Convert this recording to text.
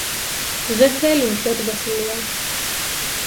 Δε θέλουν πια τη βασιλεία.